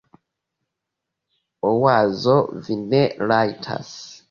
Oazo: "Vi ne rajtas."